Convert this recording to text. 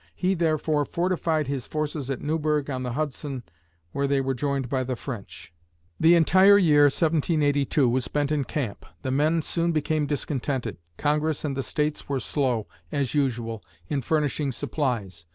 He, therefore, fortified his forces at Newburgh on the Hudson, where they were joined by the French. The entire year 1782 was spent in camp. The men soon became discontented. Congress and the States were slow, as usual, in furnishing supplies.